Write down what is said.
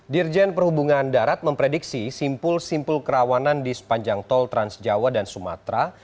dirjen perhubungan darat memprediksi simpul simpul kerawanan di sepanjang tol transjawa dan sumatera